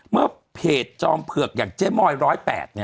เมื่อเพจจอมเผือกอย่างเจ๊มอย๑๐๘